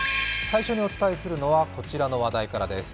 最初にお伝えするのはこちらの話題からです。